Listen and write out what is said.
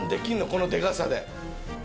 このでかさで。